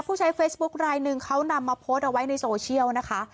ผู้ใช้เฟซบุ๊คลายหนึ่งเขานำมาโพสต์เอาไว้ในโซเชียลนะคะ